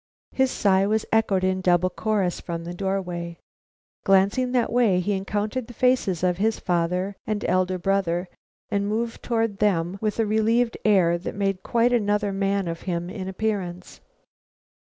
His sigh was echoed in double chorus from the doorway. Glancing that way he encountered the faces of his father and elder brother, and moved towards them with a relieved air that made quite another man of him in appearance.